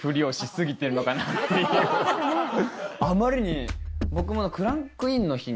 あまりに。